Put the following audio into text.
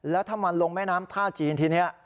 แล้วถ้ามันลงแม่น้ำท่าจีนทีนี้